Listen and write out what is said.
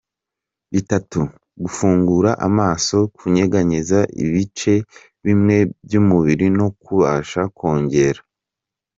bitatu: Gufungura amaso, Kunyeganyeza ibice bimwe by’umubiri no kubasha kongera